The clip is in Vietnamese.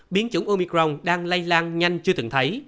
biến chủng omicron đang lây lan nhanh chưa từng thấy